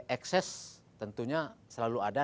excess tentunya selalu ada